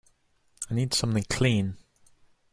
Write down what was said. I need something clean.